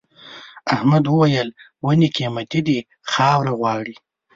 احمد وويل: ونې قيمتي دي خاوره غواړي.